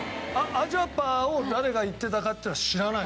アジャパーを誰が言ってたかっていうのは知らない？